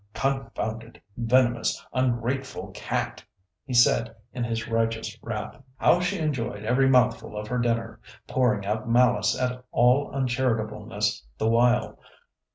"Confounded, venomous, ungrateful cat!" he said in his righteous wrath. "How she enjoyed every mouthful of her dinner, pouring out malice and all uncharitableness the while!